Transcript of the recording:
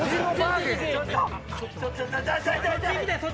ちょっと！